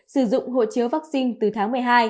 sử dụng hộ chiếu vaccine từ tháng một mươi hai